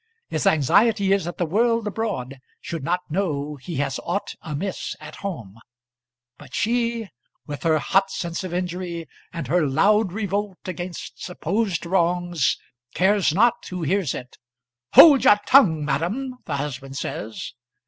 His anxiety is that the world abroad shall not know he has ought amiss at home; but she, with her hot sense of injury, and her loud revolt against supposed wrongs, cares not who hears it. "Hold your tongue, madam," the husband says.